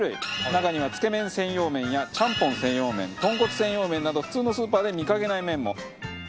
中にはつけ麺専用麺やちゃんぽん専用麺とんこつ専用麺など普通のスーパーで見かけない麺も。